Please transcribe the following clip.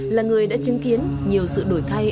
là người đã chứng kiến nhiều sự đổi thay